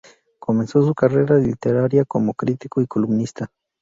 Comenzó su carrera literaria como crítico y columnista.